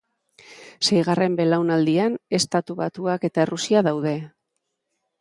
Seigarren belaunaldian Estatu Batuak eta Errusia daude.